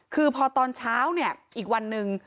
คือพอตอนเช้าเนี่ยอีกวันหนึ่ง